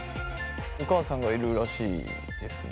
お母さんがいるらしいですね。